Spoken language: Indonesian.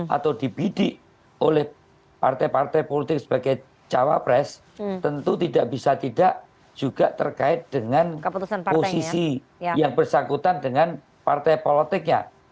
atau dibidik oleh partai partai politik sebagai cawapres tentu tidak bisa tidak juga terkait dengan posisi yang bersangkutan dengan partai politiknya